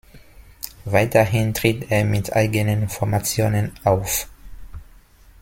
Weiterhin tritt er mit eigenen Formationen auf.